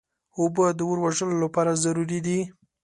اوبه د اور وژلو لپاره ضروري دي.